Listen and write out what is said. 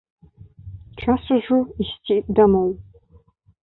Час ужо ісці дамоў.